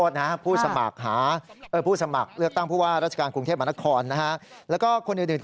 หนักมากว่าไปเกี่ยวอะไรด้วย